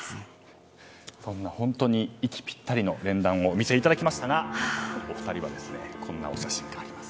本当に息ぴったりの連弾をお見せいただきましたがこんなお写真があります。